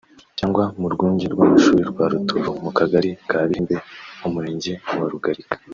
cyangwa mu Rwunge rw’amashuri rwa Rutovu mu Kagari ka Bihembe mu Murenge wa Rugarika